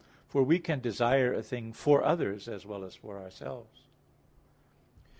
For we can desire a thing for others as well as for ourselves.